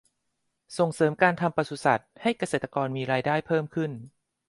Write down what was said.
ส่งเสริมการทำปศุสัตว์ให้เกษตรกรมีรายได้เพิ่มขึ้น